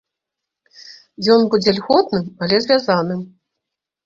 Ён будзе льготным, але звязаным.